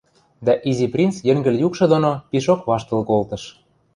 Дӓ Изи принц йӹнгӹл юкшы доно пишок ваштыл колтыш.